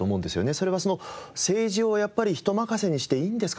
それはその政治をやっぱり人任せにしていいんですか？